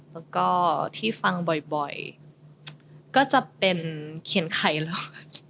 แล้วก็ที่ฟังบ่อยก็จะเป็นเขียนไข่ล็อก